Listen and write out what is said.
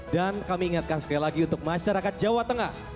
dan kami ingatkan sekali lagi untuk masyarakat jawa tengah